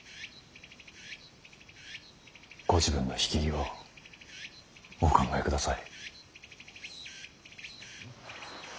ご自分の引き際をお考えください。